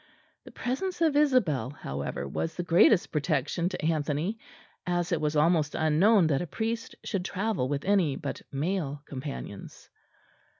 The presence of Isabel, however, was the greatest protection to Anthony; as it was almost unknown that a priest should travel with any but male companions.